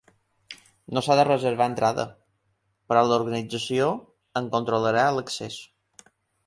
No s’ha de reservar entrada, però l’organització en controlarà l’accés.